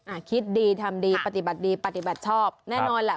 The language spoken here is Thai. คิดดีทำดีปฏิบัติดีปฏิบัติชอบแน่นอนแหละ